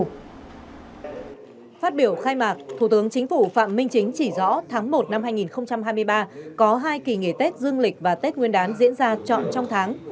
phát biểu khai mạc thủ tướng chính phủ phạm minh chính chỉ rõ tháng một năm hai nghìn hai mươi ba có hai kỳ nghỉ tết dương lịch và tết nguyên đán diễn ra trọn trong tháng